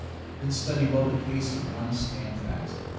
Then study well the case of one Standfast.